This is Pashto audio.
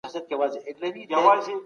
دوه عددونه دي.